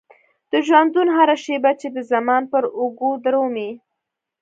د ژوندون هره شيبه چې د زمان پر اوږو درومي.